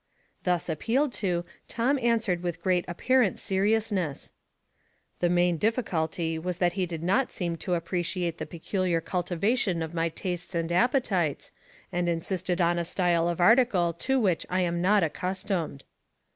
Thus appealed to, Tom answered with great apparent seriousness, —*' The main difficulty was that he did not seem to appreciate the peculiar cultivation of my tastes and appetites, and insisted on a style of article to which I am not accustomed."